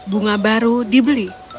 bunga baru dibeli